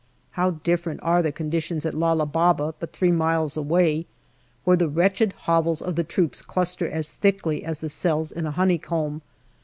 How different are the conditions at Lala Baba, but three miles away, where the wretched hovels of the troops cluster as thickly as the cells in a honeycomb.